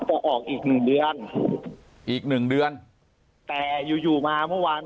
จะออกอีกหนึ่งเดือนอีกหนึ่งเดือนแต่อยู่อยู่มาเมื่อวาน